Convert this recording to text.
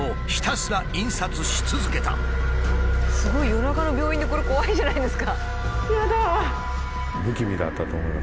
すごい夜中の病院でこれ怖いじゃないですか。